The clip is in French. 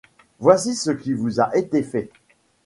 Voici ce qui vous a été fait.